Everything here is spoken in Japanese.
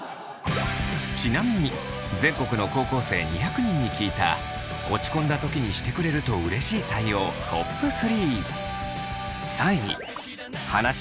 ちなみに全国の高校生２００人に聞いた落ち込んだ時にしてくれるとうれしい対応トップ３。